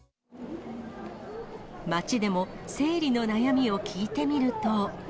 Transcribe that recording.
街でも、生理の悩みを聞いてみると。